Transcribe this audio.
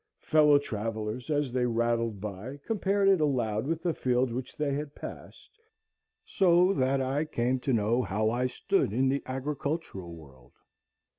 Fellow travellers as they rattled by compared it aloud with the fields which they had passed, so that I came to know how I stood in the agricultural world.